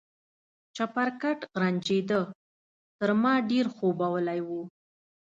چپرکټ غرنجېده، تر ما ډېر خوبولی و.